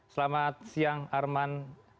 selamat siang arman